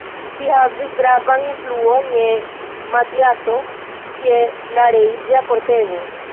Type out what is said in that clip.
Ŝi havis gravan influon je Matiaso, je la reĝa kortego.